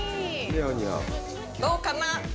どうかな？